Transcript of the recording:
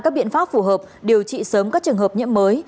các biện pháp phù hợp điều trị sớm các trường hợp nhiễm mới